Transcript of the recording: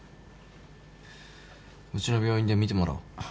うちの病院で診てもらおう。